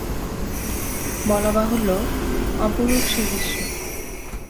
বলাবাহুল্য, অপরূপ সে দৃশ্য।